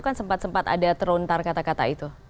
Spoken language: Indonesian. kan sempat sempat ada terlontar kata kata itu